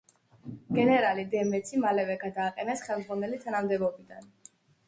გენერალი დე მეცი მალევე გადააყენეს ხელმძღვანელი თანამდებობიდან.